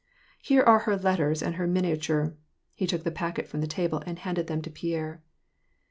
"Here are her letters and her miniature.'' He took the packet from the table and handed them to Pierre.